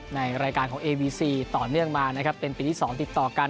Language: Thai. ในรายการของเอวีซีต่อเนื่องมานะครับเป็นปีที่๒ติดต่อกัน